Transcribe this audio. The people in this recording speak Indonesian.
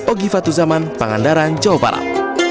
ogifat tuzaman pangandaran jawa barat